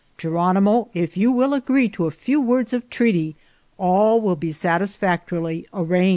Geronimo, if you will agree to a few words of treaty all will be satisfactorily arranged."